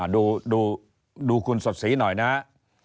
ดูคุณสดสีหน่อยนะครับ